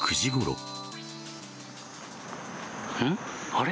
あれ？